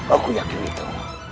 aku yakin itu